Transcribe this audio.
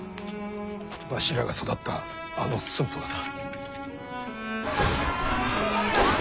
わしらが育ったあの駿府がな。